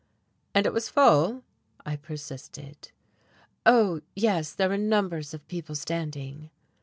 "And it was full?" I persisted. "Oh, yes, there were numbers of people standing."